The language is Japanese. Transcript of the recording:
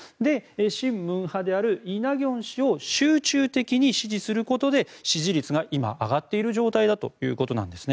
親文派であるイ・ナギョン氏を集中的に支持することで支持率が今上がっている状態だということなんです。